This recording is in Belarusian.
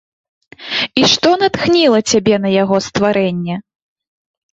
І што натхніла цябе на яго стварэнне?